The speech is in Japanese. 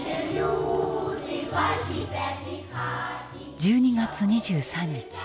１２月２３日。